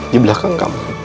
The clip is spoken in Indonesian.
di belakang kamu